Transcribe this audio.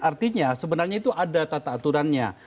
artinya sebenarnya itu ada tata aturannya